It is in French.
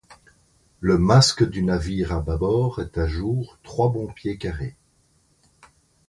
Le masque du navire à bâbord est à jour trois bons pieds carrés.